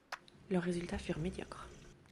Leurs résultats furent médiocres.